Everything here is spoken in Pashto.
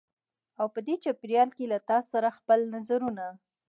او په دې چاپېریال کې له تاسې سره خپل نظرونه